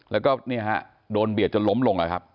แล้วก็เนี่ยฮะโดนเบียดจนล้มลงนะครับ